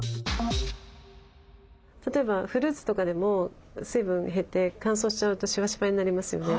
例えばフルーツとかでも水分減って乾燥しちゃうとしわしわになりますよね。